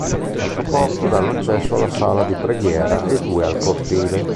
Quattro porte danno accesso alla sala di preghiera e due al cortile.